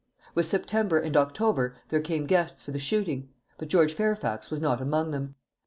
With September and October there came guests for the shooting, but George Fairfax was not among them.